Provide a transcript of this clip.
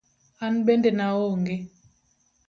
An bende naong'e.